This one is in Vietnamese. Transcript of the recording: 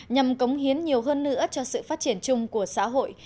nhằm cống hiến nhiều hơn nữa cho sự phát triển chung của xã hội